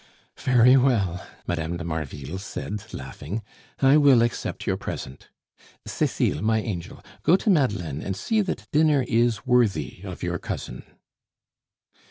"Very well," Mme. de Marville said, laughing, "I will accept your present. Cecile, my angel, go to Madeleine and see that dinner is worthy of your cousin."